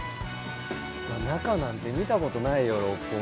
中なんて見たことないよ六本木ヒルズの。